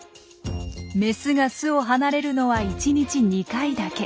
メスが巣を離れるのは１日２回だけ。